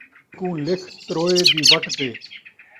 اینکوں لِکھ تروئے the what تے